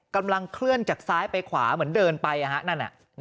กำลังเคลื่อนจากซ้ายไปขวาเหมือนเดินไปนั่น